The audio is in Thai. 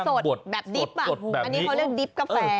กาแฟสดแบบดิ๊บอ่ะอันนี้๑๙๔๒นเขาเรียกดิ๊บกาแฟ